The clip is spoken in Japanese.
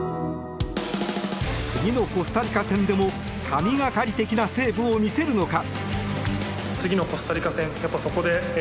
次のコスタリカ戦でも神懸かり的なセーブを見せるのか。